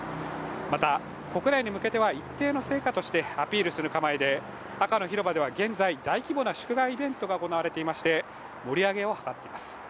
また国内に向けては一定の成果としてアピールする構えで赤の広場では現在、大規模な祝賀イベントが行われていまして盛り上がりを図っています。